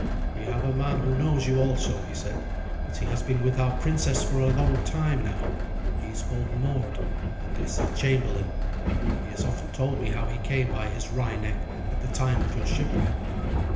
"We have a man who knows you also," he said, "but he has been with our princess for a long time now. He is called Mord, and is her chamberlain. He has often told me how he came by his wry neck at the time of your shipwreck."